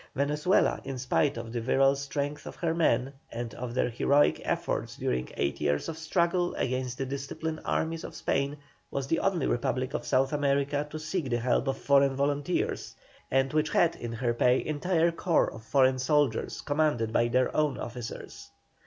Venezuela, spite of the virile strength of her men, and of their heroic efforts during eight years of struggle against the disciplined armies of Spain, was the only Republic of South America to seek the help of foreign volunteers, and which had in her pay entire corps of foreign soldiers commanded by their own officers.